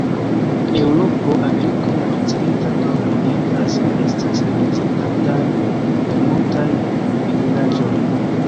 Eŭropo, Ameriko, La Okcidenta kaj la Orienta Azio estas reprezentataj per multaj vidindaĵoj.